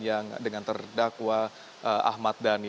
yang dengan terdakwa ahmad dhani